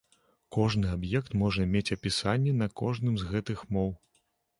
Кожны аб'ект можа мець апісанні на кожным з гэтых моў.